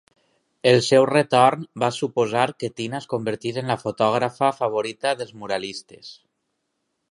El seu retorn va suposar que Tina es convertís en la fotògrafa favorita dels muralistes.